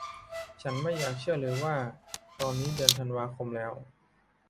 ฉันไม่อยากจะเชื่อเลยว่าตอนนี้เดือนธันวาคมแล้ว